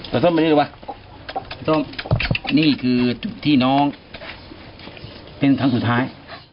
ปลาส้มนี่คือที่น้องเป็นทั้งสุดท้าย